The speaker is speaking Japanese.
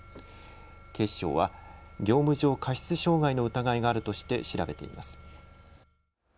警視庁は業務上過失傷害の疑いがあるとして調べています。